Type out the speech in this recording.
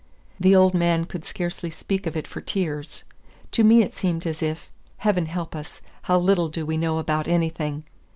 The old man could scarcely speak of it for tears. To me it seemed as if Heaven help us, how little do we know about anything!